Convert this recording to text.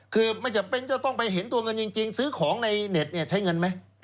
คือไม่จำเป็นจะต้องไปเห็นตัวเงินจริงซื้อของในเน็ตเนี่ยใช้เงินไหม